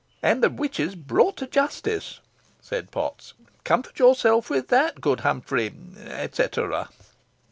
"And the witches brought to justice," said Potts; "comfort yourself with that, good Humphrey Etcetera."